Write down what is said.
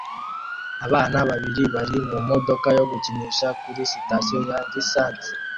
Abana babiri bari mumodoka yo gukinisha kuri sitasiyo ya lisansi